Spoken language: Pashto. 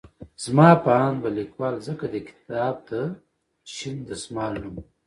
زما په اند به ليکوال ځکه د کتاب ته شين دسمال نوم